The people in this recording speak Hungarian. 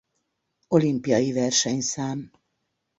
Olimpiai versenyszám.